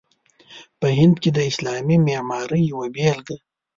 په هند کې د اسلامي معمارۍ یوه بېلګه.